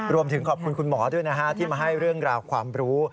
รวมถึงขอบคุณคุณหมอด้วยนะฮะที่มาให้เรื่องราวความรู้